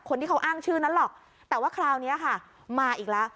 คนที่เขาอ้างชื่อนั้นหรอกแต่ว่าคราวนี้ค่ะมาอีกแล้ว